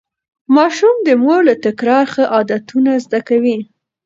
ماشوم د مور له تکرار ښه عادتونه زده کوي.